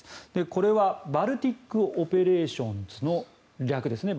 これはバルティック・オペレーションズの略ですね。